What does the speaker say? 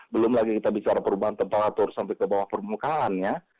belum lagi kita bisa perubahan temperatur sampai ke bawah permukaannya